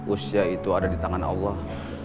usia itu ada di tangan allah